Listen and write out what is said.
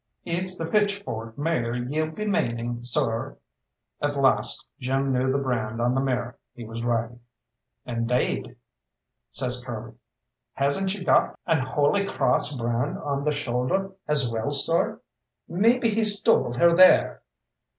"It's the 'pitchfork' mare ye'll be maning, sorr?" At last Jim knew the brand on the mare he was riding. "Indade," says Curly, "hasn't she got an Holy Crawss brand on the shoulder as well, sorr? Maybe he stole her there."